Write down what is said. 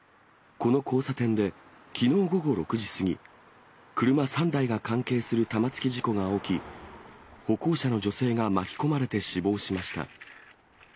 この交差点で、きのう午後６時過ぎ、車３台が関係する玉突き事故が起き、歩行者の女性が巻き込まれて死亡しました。